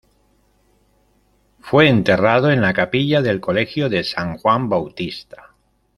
Fue enterrado en la capilla del Colegio de san Juan Bautista.